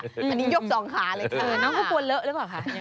น้องก็ปกป้องเหลอะแหละหรือเปล่าค่ะ